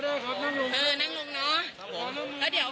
ครับสนุกก็ได้ครับนั่งลงเออนั่งลงเนาะใช่ครับแล้วเดี๋ยว